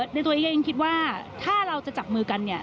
ในตัวเองคิดว่าถ้าเราจะจับมือกัน